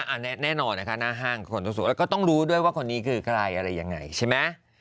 แน่นอนนะคะหน้าห้างขนตัวสูงแล้วก็ต้องรู้ด้วยว่าคนนี้คือใครอะไรยังไงใช่ไหม